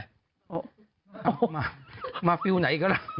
โอ๊ะมามาฟิวไหนอีกแล้วล่ะ